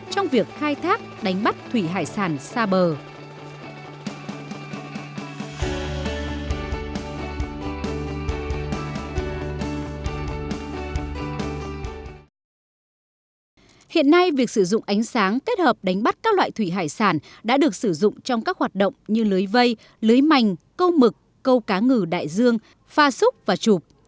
hiện nay việc sử dụng ánh sáng kết hợp đánh bắt các loại thủy hải sản đã được sử dụng trong các hoạt động như lưới vây lưới mành câu mực câu cá ngừ đại dương pha xúc và trục